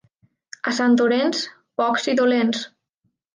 A Sant Orenç, pocs i dolents.